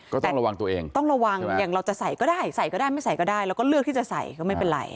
ก็ต้องระวังตัวเองต้องระวังอย่างเราจะใส่ก็ได้ใส่ก็ได้ไม่ใส่ก็ได้เราก็เลือกที่จะใส่ก็ไม่เป็นไร